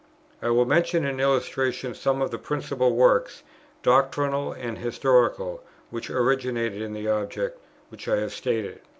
I will mention in illustration some of the principal works, doctrinal and historical, which originated in the object which I have stated.